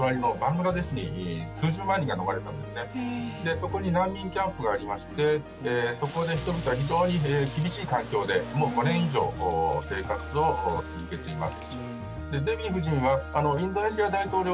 そこに難民キャンプがありまして人々は非常に厳しい環境で５年以上生活を続けています。